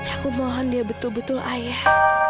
aku mohon dia betul betul ayah